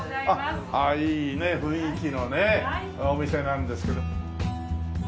あっいいね雰囲気のねお店なんですけど。